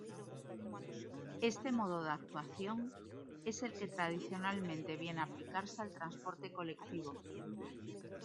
Este modo de actuación es el que tradicionalmente viene a aplicarse al transporte colectivo.